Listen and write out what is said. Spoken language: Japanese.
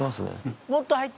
もっと入って。